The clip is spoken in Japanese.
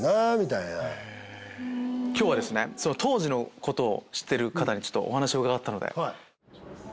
今日は当時のことを知ってる方にお話を伺ったので。